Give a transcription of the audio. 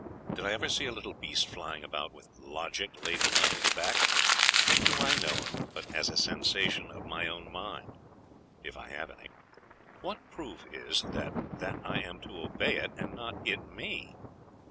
Did I ever see a little beast flying about with "Logic" labelled on its back? What do I know of it, but as a sensation of my own mind if I have any? What proof is that that I am to obey it, and not it me?